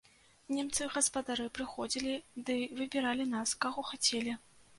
Немцы-гаспадары прыходзілі ды выбіралі нас, каго хацелі.